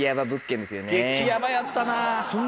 激ヤバやったな。